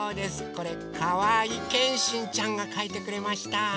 これかわいけんしんちゃんがかいてくれました。